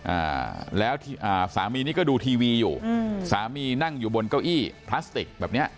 อ่าแล้วอ่าสามีนี่ก็ดูทีวีอยู่อืมสามีนั่งอยู่บนเก้าอี้พลาสติกแบบเนี้ย